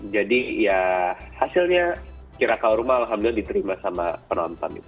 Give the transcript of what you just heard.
jadi ya hasilnya kira kau rumah alhamdulillah diterima sama penonton